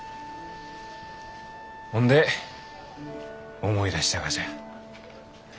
ほんで思い出したがじゃ。